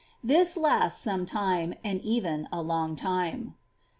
This lasts some time, and even a long time.